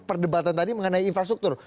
perdebatan tadi mengenai infrastruktur